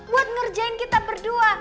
buat ngerjain kita berdua